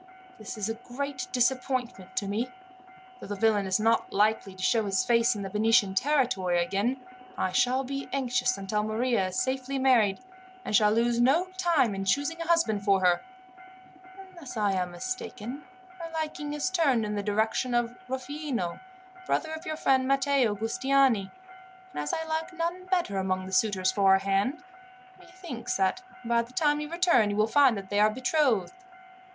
"This is a great disappointment to me. Though the villain is not likely to show his face in the Venetian territory again, I shall be anxious until Maria is safely married, and shall lose no time in choosing a husband for her. Unless I am mistaken, her liking is turned in the direction of Rufino, brother of your friend Matteo Giustiniani, and as I like none better among the suitors for her hand, methinks that by the time you return you will find that they are betrothed.